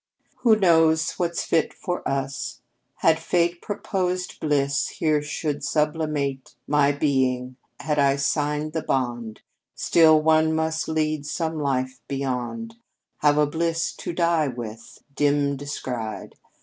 "Who knows what's fit for us? Had fate Proposed bliss here should sublimate My being; had I signed the bond Still one must lead some life beyond, Have a bliss to die with, dim descried.